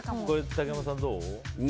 竹山さん、どう？